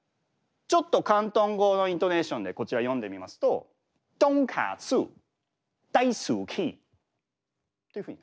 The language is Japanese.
ちょっと広東語のイントネーションでこちら読んでみますととんかつだいすきっていうふうに。